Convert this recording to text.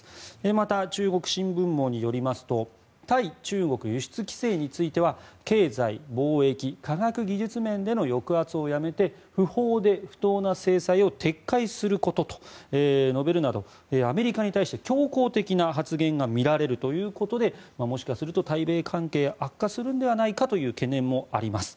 また中国新聞網によりますと対中国輸出規制については経済、貿易、科学技術面での抑圧をやめて不法で不当な制裁を撤回することと述べるなどアメリカに対して強硬的な発言がみられるということでもしかすると対米関係が悪化するのではないかという懸念もあります。